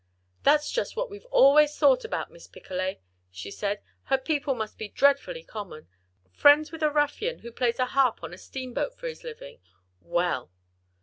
"That's just what we've always thought about Miss Picolet," she said. "Her people must be dreadfully common. Friends with a ruffian who plays a harp on a steamboat for his living! Well!"